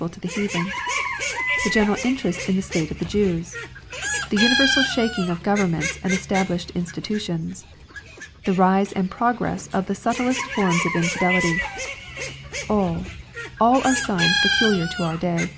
pel to the heathen, — the general interest in the state of the Jews, — the universal shaking of governments and established insti tutions,— ^the rise and progress of the subtlest forms of infidelity, — ^all^ all are signs peculiar to our day.